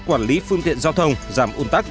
quản lý phương tiện giao thông giảm un tắc